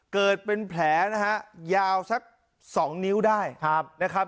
เกิดเป็นแผลนะฮะยาวสัก๒นิ้วได้นะครับ